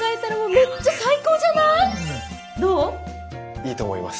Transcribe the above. いいと思います。